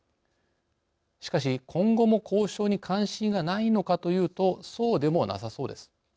しかし、今後も交渉に関心がないのかというとそうでもなさそうです。